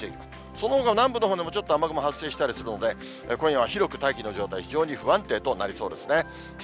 そのほか南部のほうでもちょっと雨雲発生したりしそうで、今夜は広く大気の状態、非常に不安定となりそうですね。